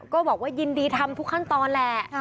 ก็บอกว่ายินดีทำทุกขั้นตอนแหละ